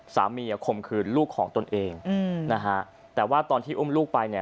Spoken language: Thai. สามีคมขืนลูกของตนเองแต่ว่าตอนที่อุ้มลูกไปเนี่ย